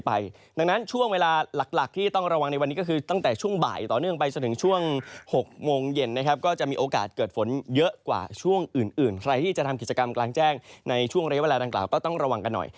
ในช่วงระยะเวลาต่างก็ต้องระวังกันหน่อย